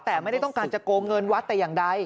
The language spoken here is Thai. แต่ไม่ได้ต้องการจะโกงเงินวัดแต่อย่างใด